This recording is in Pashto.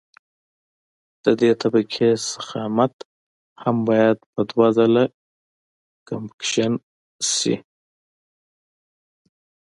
د دې طبقې ضخامت هم باید په دوه ځله کمپکشن شي